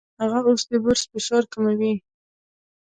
هغه اوس د برس فشار کموي.